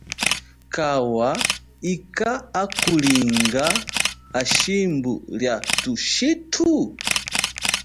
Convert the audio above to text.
Kawa ika akulinga hashimbu lia thushithu?